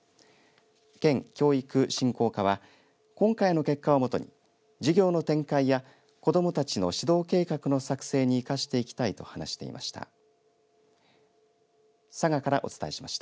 県教育振興課は今回の結果をもとに授業の展開や子どもたちの指導計画の作成に生かしていきたいと話していました。